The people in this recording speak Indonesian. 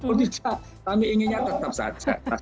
oh tidak kami inginnya tetap saja